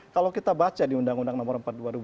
kalau kita baca di undang undang nomor empat dua ribu empat